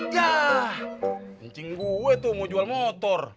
yah kencing gue tuh mau jual motor